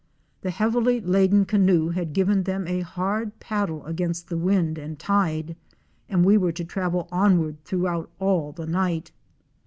The heavily laden canoe had given them a hard paddle against wind and tide, and we were to travel onward throughout all the night.